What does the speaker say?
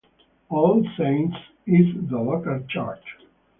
All Saints is the local church.